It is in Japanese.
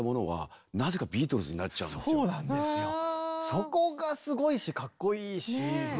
そこがすごいしかっこいいしブレないし。